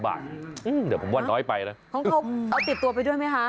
เอาติดตัวไปด้วยไหมคะ